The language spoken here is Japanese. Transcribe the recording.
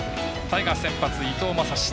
タイガース先発、伊藤将司。